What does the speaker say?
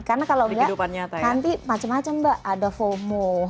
karena kalau enggak nanti macem macem mbak ada fomo